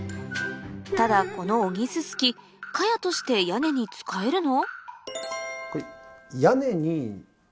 ただこのオギススキ茅として屋根に使えるの？